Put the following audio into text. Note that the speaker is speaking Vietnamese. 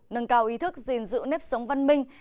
nâng cao ý thức gìn giữ nếp sống văn minh